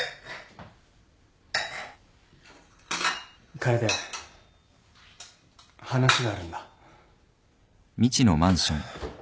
楓話があるんだ。